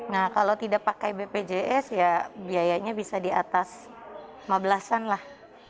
nah kalau tidak pakai bpjs ya biayanya bisa di atas lima belas an lah